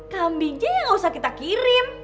kambing aja gak usah kita kirim